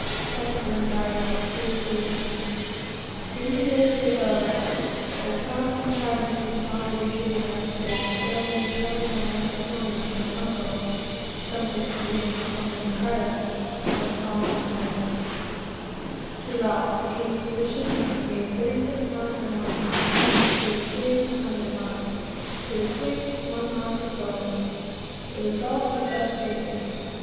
8 Lingard, 231. In the narrative of "The costs and charges which I, Richard de Anesty, bestowed in recovering the land of William, my uncle," (some fifty years before Magna Carta,) are the following items: "To Ralph, the king's physician, I gave thirty six marks and one half; to the king an hundred marks; and to the queen one mark of gold." The result is thus stated.